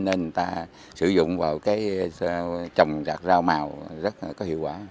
nên người ta sử dụng vào cái trồng đạt rau màu rất là có hiệu quả